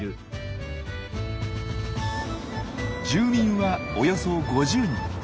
住民はおよそ５０人。